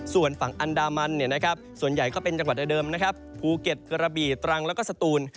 ส่วนฝั่งอันดามันส่วนใหญ่ก็เป็นจังหวัดเดิมนะครับภูเก็ตกระบีตรังแล้วก็สตูน